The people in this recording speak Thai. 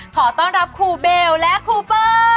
ขอต้อนรับคุณเบลและคุณเปิ้ลสวัสดีค่ะ